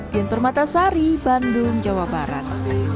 jentermata sari bandung jawa barat